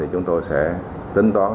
chúng tôi sẽ tính toán